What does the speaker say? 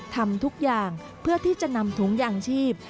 ทำทุกอย่างเพื่อที่จะนำถุงยางชีพ